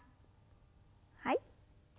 はい。